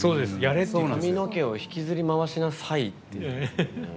髪の毛を引きずり回しなさいって。